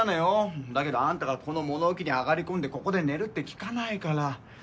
だけどあんたがこの物置に上がり込んでここで寝るって聞かないから。